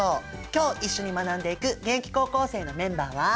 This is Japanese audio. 今日一緒に学んでいく現役高校生のメンバーは。